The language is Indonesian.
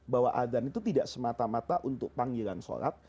bahwa azan itu tidak semata mata untuk panggilan sholat